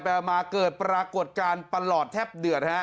แปลมาเกิดปรากฏการณ์ปันหลอดแทบเดือด